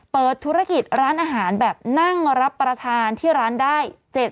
เปิดธุรกิจร้านอาหารแบบนั่งรับประทานที่ร้านได้